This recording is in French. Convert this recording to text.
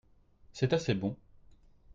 c'est assez bon.